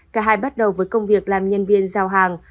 cả hai bắt đầu với công việc làm nhân viên giao hàng